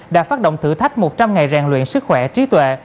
đã phát động thử thách một trăm linh ngày rèn luyện sức khỏe trí tuệ